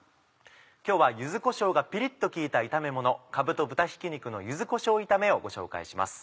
今日は柚子こしょうがピリっと効いた炒めもの「かぶと豚ひき肉の柚子こしょう炒め」をご紹介します。